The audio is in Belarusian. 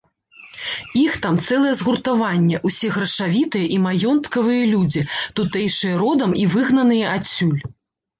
Іх там цэлае згуртаванне, усе грашавітыя і маёнткавыя людзі, тутэйшыя родам і выгнаныя адсюль.